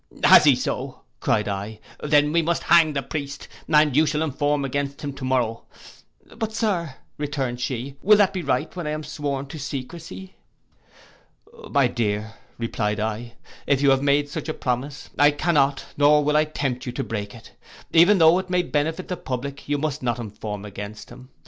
'Has he so?' cried I, 'then we must hang the priest, and you shall inform against him to morrow.'—'But Sir,' returned she, 'will that be right, when I am sworn to secrecy?'—'My dear,' I replied, 'if you have made such a promise, I cannot, nor will I tempt you to break it. Even tho' it may benefit the public, you must not inform against him.